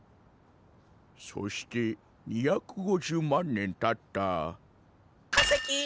そして２５０万年たった化石ン！